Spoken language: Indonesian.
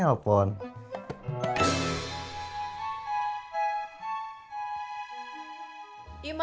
selamat mengalami papi kemana